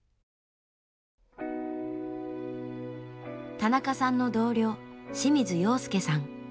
田中さんの同僚清水陽介さん。